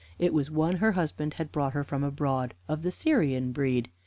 It was one her husband had brought her from abroad, of the Syrian breed.